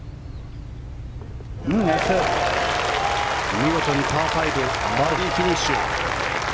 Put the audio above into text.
見事にパー５バーディーフィニッシュ。